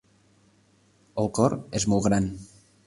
El cor és molt gran.